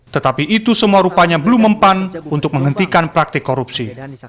tetapi itu semua rupanya belum mempan untuk menghentikan praktik korupsi